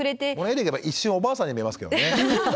絵でいけば一瞬おばあさんに見えますけどね。